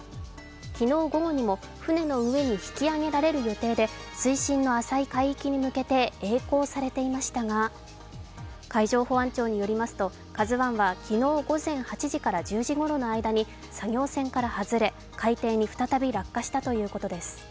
昨日午後にも船の上に引き揚げられる予定で水深の浅い海域に向けて曳航されていましたが海上保安庁によりますと「ＫＡＺＵⅠ」は昨日午前８時から１０時ごろの間に作業船から外れ、海底に再び落下したということです。